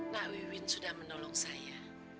nak iwin sudah menolong saya